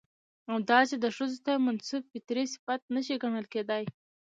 او داسې دا ښځو ته منسوب فطري صفت نه شى ګڼل کېداى.